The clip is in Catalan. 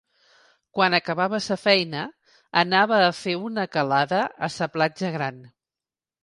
Quan acabava sa feina anava a fer una calada a sa platja gran